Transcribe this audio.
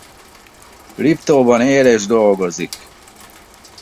Liptóban él és dolgozik.